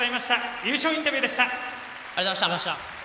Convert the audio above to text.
優勝インタビューでした。